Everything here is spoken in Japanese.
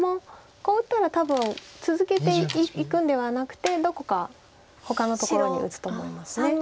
こう打ったら多分続けていくんではなくてどこかほかのところに打つと思います。